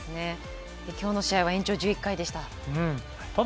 きょうの試合は延長１１回でした。